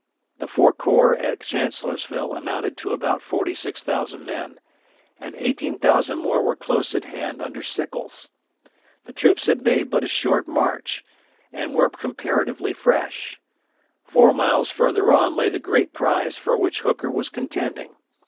The four corps at Chancellorsville amounted to about forty six thousand men; and 18,000 more were close at hand under Sickles. The troops had made but a short march, and were comparatively fresh. Four miles further on lay the great prize for which Hooker was contending.